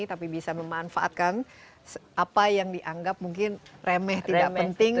tapi bisa memanfaatkan apa yang dianggap mungkin remeh tidak penting